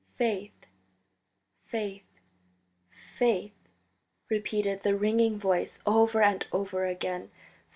"Faith, faith, faith," repeated the ringing voice over and over again.